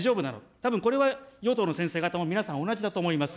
たぶん、これは与党の先生方も皆さん同じだと思います。